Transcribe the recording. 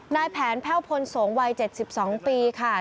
นายแผนแพ่วพลสงฆ์วัย๗๒ปีค่ะ